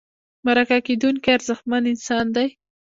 مرکه کېدونکی ارزښتمن انسان دی.